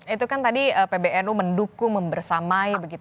itu kan tadi pbnu mendukung membersamai begitu